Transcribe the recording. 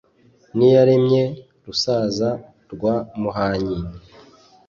n'iyaremye, rusaza rwa muhanyi,